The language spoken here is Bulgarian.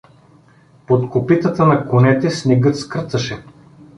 Под копитата на конете снегът скърцаше.